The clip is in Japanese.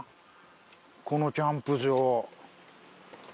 このキャンプ場